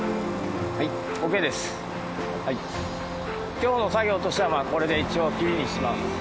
今日の作業としてはこれで一応切りにします。